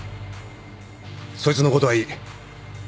そいつのことはいい